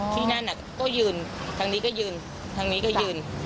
ที่นั่นก็ยืนทางนี้ก็ยืนทางนี้ก็ยืน